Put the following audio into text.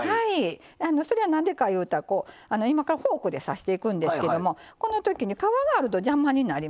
それはなんでかいうたら今からフォークで刺していくんですけどもこのときに皮があると邪魔になりますのでね